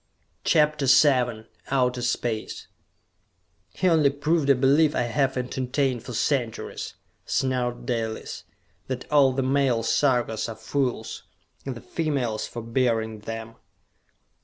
CHAPTER VII Outer Space "He only proved a belief I have entertained for centuries!" snarled Dalis. "That all the male Sarkas are fools and the females for bearing them!"